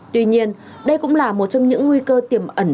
tuy nhiên đây cũng là một trong những nguy cơ tiềm ẩn